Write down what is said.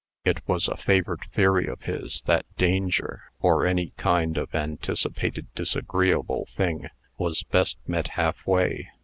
It was a favorite theory of his, that danger, or any kind of anticipated, disagreeable thing, was best met halfway.